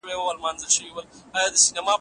خپل ږغ ثبت کړئ او پښتو ډیجیټل کړئ.